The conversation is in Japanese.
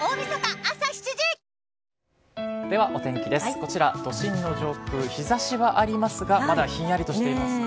こちら、都心の上空、日ざしはありますが、まだひんやりとしていますね。